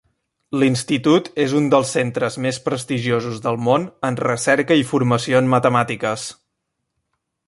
L'Institut és un dels centres més prestigiosos del món en recerca i formació en matemàtiques.